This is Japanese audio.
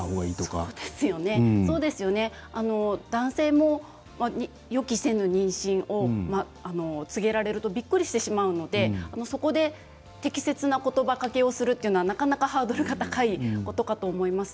そうですよね男性も予期せぬ妊娠を告げられるとびっくりしてしまうのでそこで適切な言葉がけをするというのは、なかなかハードルが高いことだと思います。